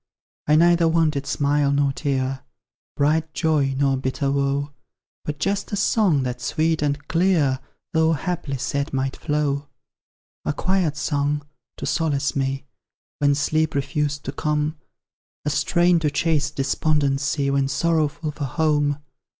I neither wanted smile nor tear, Bright joy nor bitter woe, But just a song that sweet and clear, Though haply sad, might flow. A quiet song, to solace me When sleep refused to come; A strain to chase despondency, When sorrowful for home.